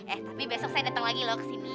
eh tapi besok saya datang lagi loh ke sini